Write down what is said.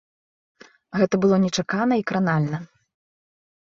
Гэта было нечакана і кранальна.